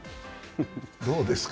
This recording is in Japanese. どうですか？